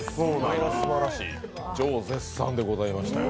女王絶賛でございましたよ。